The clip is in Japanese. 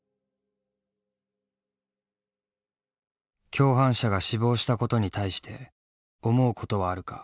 「共犯者が死亡したことに対して思うことはあるか」。